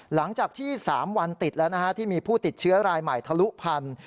หลังจากที่๓วันติดแล้วที่มีผู้ติดเชื้อรายใหม่ทะลุพันธุ์